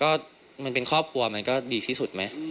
ก็มันเป็นครอบครัวมันก็ดีที่สุดไหม